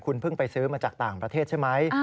คุณเพิ่งไปซื้อมาจากต่างประเทศใช่ไหม